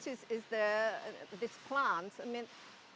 masih ada orang yang bekerja di dalamnya